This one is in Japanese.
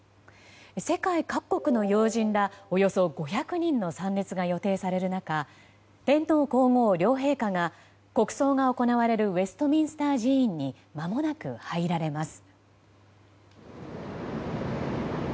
世界各国の要人らおよそ５００人の参列が予定される中天皇・皇后両陛下が国葬が行われるウェストミンスター寺院にまもなく入られます。